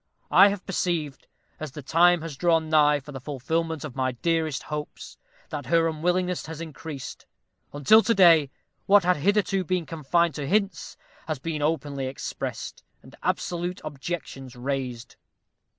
I have perceived, as the time has drawn nigh for the fulfilment of my dearest hopes, that her unwillingness has increased; until to day, what had hitherto been confined to hints, has been openly expressed, and absolute objections raised.